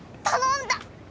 頼んだ！